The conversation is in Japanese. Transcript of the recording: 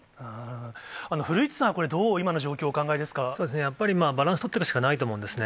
古市さんはこれ、どう、やっぱりバランスとっていくしかないと思うんですね。